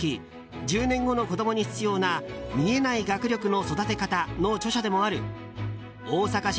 「１０年後の子どもに必要な“見えない学力”の育て方」の著者でもある大阪市